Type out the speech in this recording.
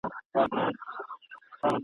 په دې ښارکي هر څه ورک دي نقابونه اورېدلي ..